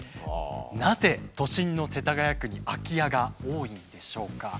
なぜ都心の世田谷区に空き家が多いんでしょうか。